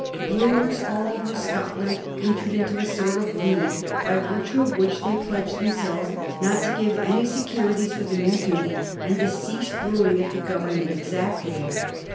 Brewers all over Scotland entered into a sort of league by virtue of which they pledged themselves not to give any securities for the new duty and to cease brewing if the Government exacted it.